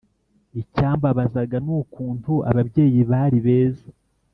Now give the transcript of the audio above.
icyambabazaga nukuntu ababyeyi bari beza